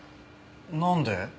なんで？